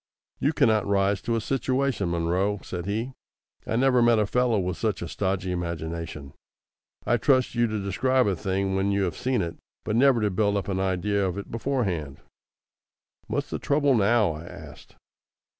"You cannot rise to a situation, Munro," said he. "I never met a fellow with such a stodgy imagination. I'd trust you to describe a thing when you have seen it, but never to build up an idea of it beforehand." "What's the trouble now?" I asked.